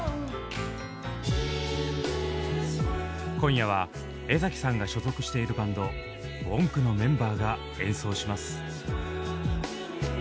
今夜は江さんが所属しているバンドＷＯＮＫのメンバーが演奏します。